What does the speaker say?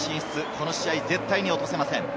この試合、絶対に落とせません。